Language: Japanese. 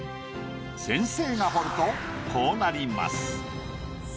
先生が彫るとこうなります。